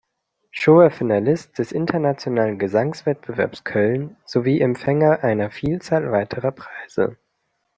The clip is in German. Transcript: Cho war Finalist des Internationalen Gesangswettbewerbs Köln sowie Empfänger einer Vielzahl weiterer Preise.